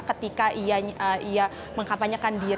ketika ia mengkampanyekan